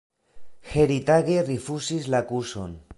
Heritage rifuzis la akuzon.